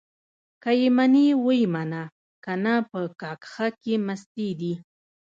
که يې منې ويې منه؛ که نه په کاکښه کې مستې دي.